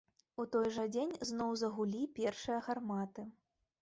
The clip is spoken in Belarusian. У той жа дзень зноў загулі першыя гарматы.